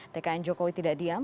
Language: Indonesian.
tkn jokowi tidak diam